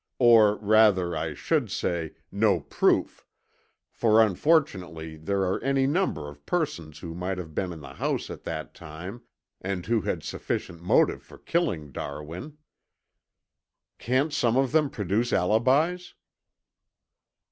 Or, rather, I should say, no proof, for unfortunately there are any number of persons who might have been in the house at that time and who had sufficient motive for killing Darwin." "Can't some of them produce alibis?"